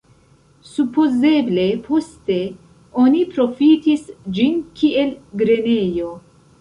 Supozeble poste oni profitis ĝin kiel grenejo.